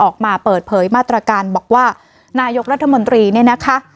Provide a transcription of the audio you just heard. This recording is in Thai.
ออกมาเปิดเผยมาตรการบอกว่านายกรัฐมนตรีเนี่ยนะคะ